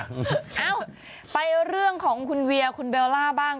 เอ้าไปเรื่องของคุณเวียคุณเบลล่าบ้าง